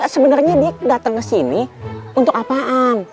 sebenarnya dia datang ke sini untuk apaan